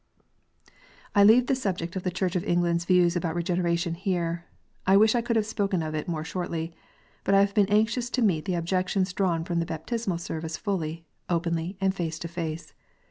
I leave the subject of the Church of England s views about Regeneration here. I wish I could have spoken of it more shortly. But I have been anxious to meet the objections drawn from the Baptismal Service fully, openly, and face to face.